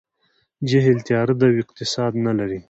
جهل تیاره ده او اقتصاد نه لري.